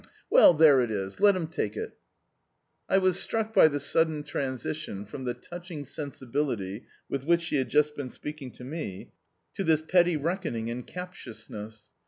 Well, there it is. Let him take it." I was struck by the sudden transition from the touching sensibility with which she had just been speaking to me to this petty reckoning and captiousness.